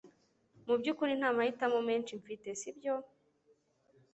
Mubyukuri nta mahitamo menshi mfite sibyo